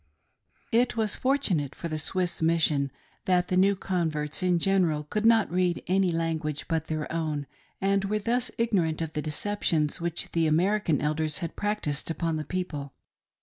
IT was fortunate for the Swiss Mission that the new con verts in general could not read any language but their own, and thus were ignorant of the deceptions which the American Elders had practiced upon the people.